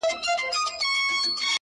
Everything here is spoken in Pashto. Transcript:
هغه د هر مسجد و څنگ ته ميکدې جوړي کړې،